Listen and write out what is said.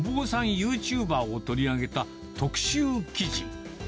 ユーチューバーを取り上げた特集記事。